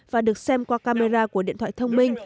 và được xem qua camera của điện thoại thông minh